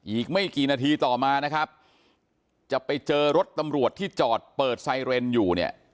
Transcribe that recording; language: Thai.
อีกไม่กี่นาทีต่อมานะครับจะไปเจอรถตำรวจที่จอดเปิดไซเรนอยู่เนี่ย